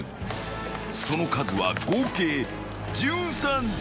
その数は合計１３体］